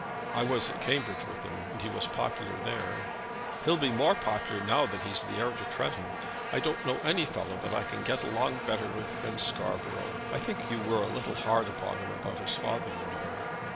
"I was at Cambridge with him, and he was popular there." "He'll be more popular now that he's the heir to Tretton. I don't know any fellow that I can get along better with than Scarborough. I think you were a little hard upon him about his father, you know."